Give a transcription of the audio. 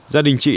gia đình chị